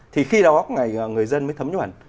thì khi đó người dân mới thấm nhuận